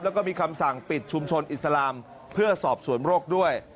แล้วก็มีคำสั่งปิดชุมชนอิสลามเพื่อสอบสวนโรคด้วย